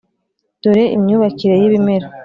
dore imyubakire y’ibimera.